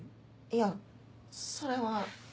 いやそれは。